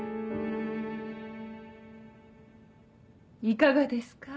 いかがですか？